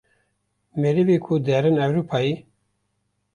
Merivê ku derin Ewrupayê.